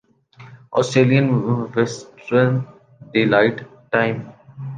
Australian Western daylight time